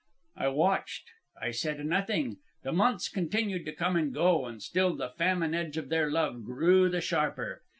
"I watched. I said nothing. The months continued to come and go, and still the famine edge of their love grew the sharper.